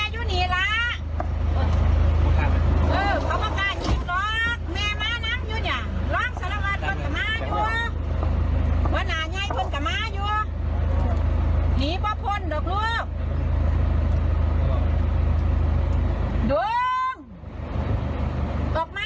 จากบ้านที่ตำบลหนองมะนาวมาช่วยเจรจาพูดผ่านเครื่องขยายเสียงเกลี้ยกล่อมให้มามอบตัว